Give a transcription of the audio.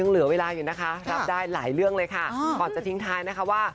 รับได้หลายเรื่องเลยค่ะก่อนจะทิ้งท้ายนะคะว่า